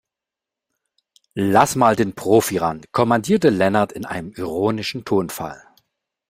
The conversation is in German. Lass mal den Profi ran, kommandierte Lennart in einem ironischen Tonfall.